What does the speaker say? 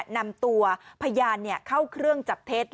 นำตัวพยานเข้าเครื่องจับเท็จ